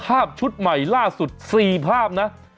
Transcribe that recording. ชุดใหม่ล่าสุด๔ภาพนะ